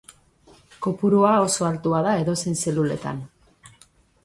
Kopurua oso altua da edozein zeluletan.